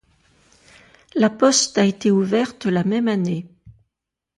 La poste a été ouverte la même année.